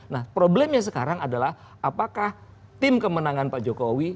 nah problemnya sekarang adalah apakah tim kemenangan pak jokowi